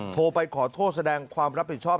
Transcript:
โทรไปขอโทษแสดงความรับผิดชอบ